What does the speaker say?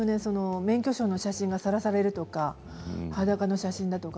免許証の写真がさらされるとか裸の写真とか。